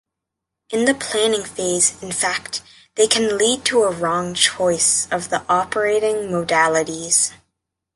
In the planning phase, in fact, they can lead to a wrong choice of the operating modalities